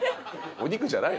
お肉じゃないの？